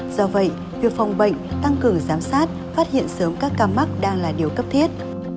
do vậy việc phòng bệnh tăng cường giám sát phát hiện sớm các ca mắc đang là điều cấp thiết